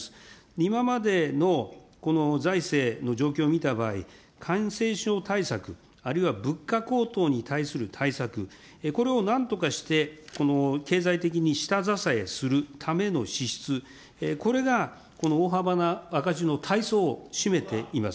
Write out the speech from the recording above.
今までの財政の状況を見た場合、感染症対策、あるいは物価高騰に対する対策、これをなんとかして経済的に下支えするための支出、これがこの大幅な赤字のたいそうを占めています。